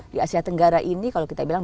di asia tenggara ini kalau kita bilang